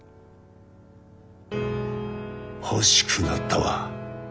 欲しくなったわ。